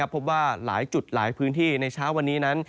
พบว่าหลายจุดหลายพื้นที่ในเช้าวันนี้นั้น